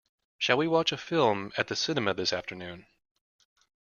Shall we watch a film at the cinema this afternoon?